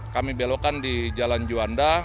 kami belokkan di jalan juanda